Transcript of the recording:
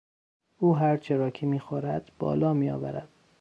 او هرچه را که میخورد بالا میآورد.